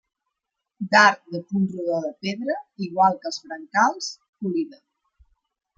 D'arc de punt rodó de pedra, igual que els brancals, polida.